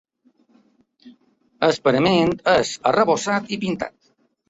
El parament és arrebossat i pintat.